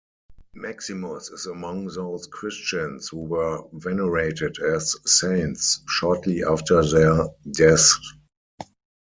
Maximus is among those Christians who were venerated as saints shortly after their deaths.